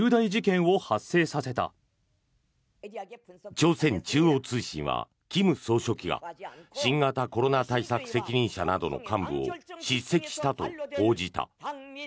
朝鮮中央通信は、金総書記が新型コロナ対策責任者などの幹部を叱責したと報じた。